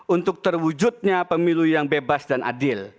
untuk terwujudnya pemilu yang bebas dan adil